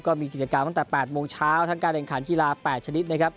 มีกิจกรรมตั้งแต่๘โมงเช้าทั้งการแข่งขันกีฬา๘ชนิดนะครับ